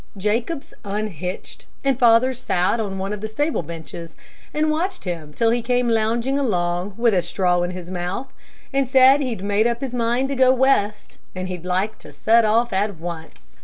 Jacobs unhitched, and father sat on one of the stable benches and watched him till he came lounging along with a straw in his mouth, and said he'd made up his mind to go West, and he'd like to set off at once.